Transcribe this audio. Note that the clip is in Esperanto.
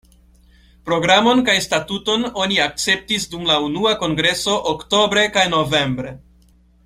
Programon kaj statuton oni akceptis dum la unua kongreso oktobre kaj novembre.